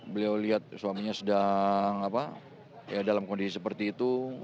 beliau lihat suaminya sedang dalam kondisi seperti itu